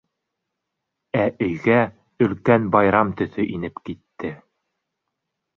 Ә өйгә өлкән байрам төҫө инеп китте.